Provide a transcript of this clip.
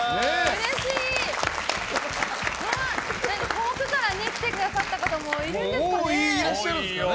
遠くから来てくださった方もいるんですかね。